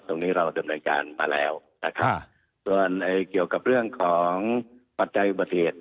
ตรงนี้เราเริ่มรายการมาแล้วอ่าส่วนไอเกี่ยวกับเรื่องของปัจจัยบัตรเหตุ